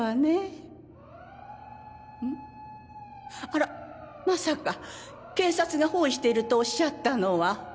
あらまさか「警察が包囲してる」とおっしゃったのは。